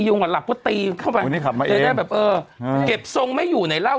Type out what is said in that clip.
ยูงก่อนหลับก็ตีเข้าไปวันนี้ขับมาเองแบบเออเก็บทรงไม่อยู่ในเหล้า